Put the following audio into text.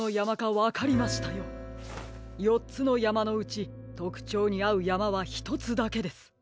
よっつのやまのうちとくちょうにあうやまはひとつだけです。